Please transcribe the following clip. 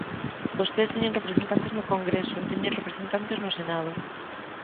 Vostedes teñen representantes no Congreso e teñen representantes no Senado.